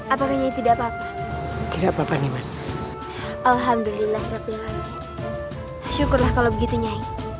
apakahnya tidak apa apa tidak apa apa nih mas alhamdulillah syukurlah kalau begitu nyai